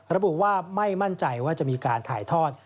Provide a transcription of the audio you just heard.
ระบุว่าไม่มั่นใจว่าจะมีการถ่ายทอด